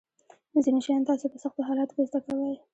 ځینې شیان تاسو په سختو حالاتو کې زده کوئ.